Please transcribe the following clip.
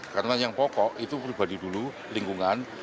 karena yang pokok itu pribadi dulu lingkungan